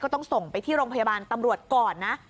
ต้องส่งไปที่โรงพยาบาลตำรวจก่อนนะ